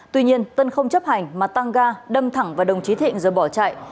tuy nhiên tân không chấp hành mà tăng ga đâm thẳng vào đồng chí thịnh rồi bỏ chạy